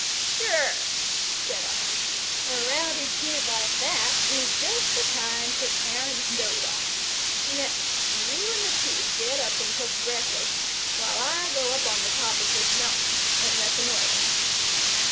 "Sure," said I. "A rowdy kid like that is just the kind that parents dote on. Now, you and the Chief get up and cook breakfast, while I go up on the top of this mountain and reconnoitre."